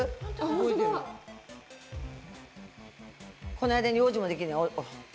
この間に用事もできんねん。